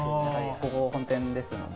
ここが本店ですので。